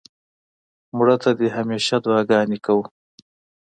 مړه ته د همېشه دعا ګانې کوو